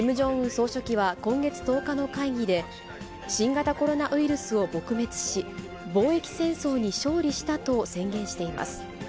総書記は今月１０日の会議で、新型コロナウイルスを撲滅し、防疫戦争に勝利したと宣言しています。